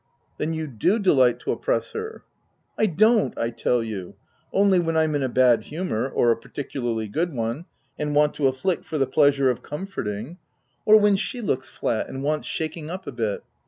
" Then you do delight to oppress her." " I don't, I tell you I — only when Fm in a bad humour — or a particularly good one, and want to afflict for the pleasure of comforting ; 262 THE TENANT or when she looks flat and wants shaking up a bit.